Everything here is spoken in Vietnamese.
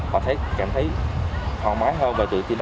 họ thấy cảm thấy thoải mái hơn và tự tin